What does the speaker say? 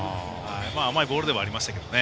甘いボールではありましたけどね。